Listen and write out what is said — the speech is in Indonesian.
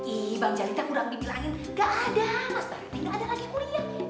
ih bang jalita kurang dibilangin enggak ada mas baruti enggak ada lagi kuliah